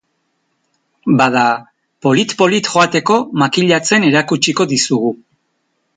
Bada, polit-polit joateko makillatzen erakutsikodizugu.